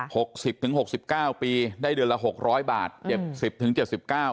หกสิบถึงหกสิบเก้าปีได้เดือนละหกร้อยบาทเจ็บสิบถึงเจ็ดสิบเก้า